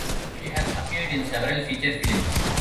She has appeared in several feature films.